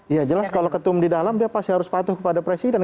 ya jelas kalau ketum di dalam dia pasti harus patuh kepada presiden